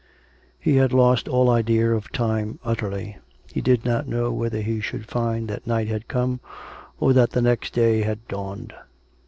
He had lost all idea of time utterly: he did not know whether he should find that night had come, or that the next day had dawned.